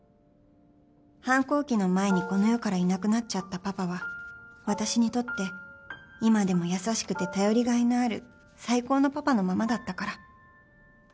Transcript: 反抗期の前にこの世からいなくなっちゃったパパは私にとって今でも優しくて頼りがいのある最高のパパのままだったから